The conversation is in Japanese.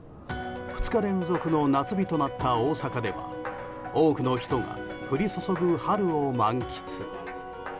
２日連続の夏日となった大阪では多くの人が降り注ぐ春を満喫。